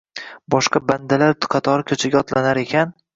Boshqa bandalar qatori ko’chaga otlanar ekan